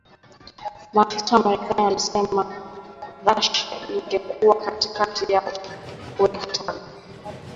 Maafisa wa marekani wanasema Russia inageukia mkakati wa kuweka taka